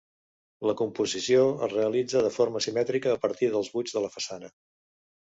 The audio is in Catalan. La composició es realitza de forma simètrica a partir dels buits de la façana.